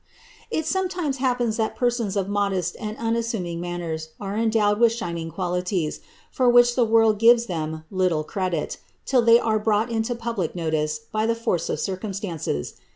It sometimes happens that persons of modest and unaaranunf ■mbbh are endowed with shining qualities, for which tlie world gives tha little credit, till they are brought into public notice by the force of » cumstances.